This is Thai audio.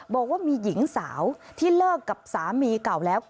บอกว่ามีหญิงสาวที่เลิกกับสามีเก่าแล้ว